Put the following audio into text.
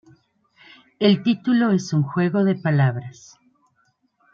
El título es un juego de palabras.